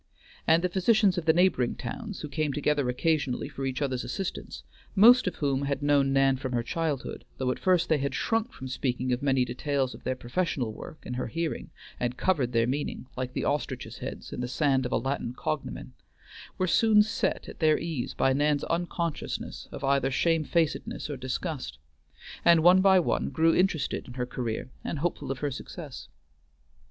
And the physicians of the neighboring towns, who came together occasionally for each other's assistance, most of whom had known Nan from her childhood, though at first they had shrunk from speaking of many details of their professional work in her hearing, and covered their meaning, like the ostriches' heads, in the sand of a Latin cognomen, were soon set at their ease by Nan's unconsciousness of either shamefacedness or disgust, and one by one grew interested in her career, and hopeful of her success.